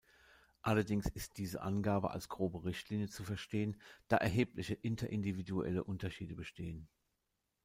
Allerdings ist diese Angabe als grobe Richtlinie zu verstehen, da erhebliche inter-individuelle Unterschiede bestehen.